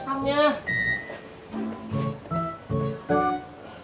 saya minta tani juga bilang